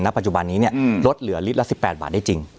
ปัจจุบันนี้ลดเหลือลิตรละ๑๘บาทได้จริง